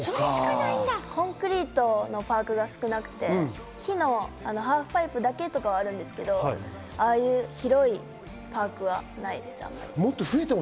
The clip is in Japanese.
コンクリートのパークが少なくて、木のハーフパイプだけはあるんですけど、ああいう広いパークはないです。